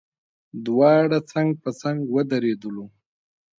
دواړه څنګ په څنګ ودرېدلو.